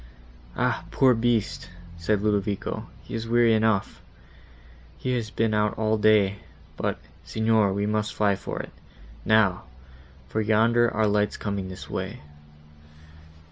"Ah! poor beast," said Ludovico, "he is weary enough;—he has been out all day; but, Signor, we must fly for it, now; for yonder are lights coming this way."